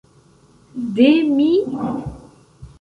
De mi?